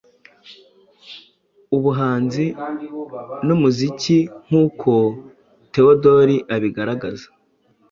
ubuhanzinumuzikinkuko Theodore abigaragaza